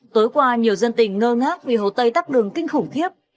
tối qua nhiều dân tình ngơ ngác vì hồ tây tắt đường kinh khủng khiếp